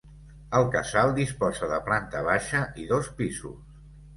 El casal disposa de planta baixa i dos pisos.